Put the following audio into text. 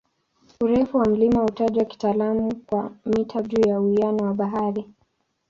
Urefu wa mlima hutajwa kitaalamu kwa "mita juu ya uwiano wa bahari".